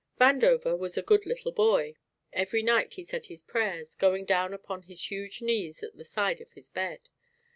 Vandover was a good little boy. Every night he said his prayers, going down upon his huge knees at the side of his bed.